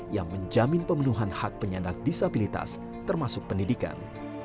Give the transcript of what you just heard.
yang menjamin pemenuhan hak penyandang disabilitas termasuk pendidikan